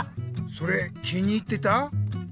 それ気に入ってた？